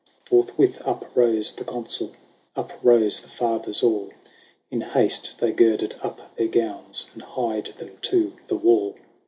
Forthwith up rose the Consul, Up rose the Fathers all ; In haste they girded up their gowns. And hied them to the wall.